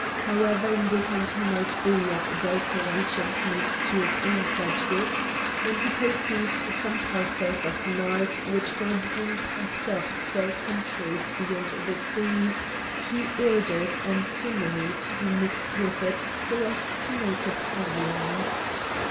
However indignant he might be at adulterations made to his own prejudice, when he perceived some parcels of nard which were being packed up for countries beyond the sea, he ordered antimony to be mixed with it so as to make it heavier.